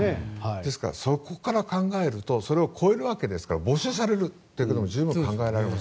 ですからそこから考えるとそれを超えるわけですから没収されるということも十分考えられます。